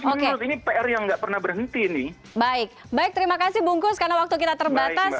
oke ini pr yang nggak pernah berhenti nih baik baik terima kasih bungkus karena waktu kita terbatas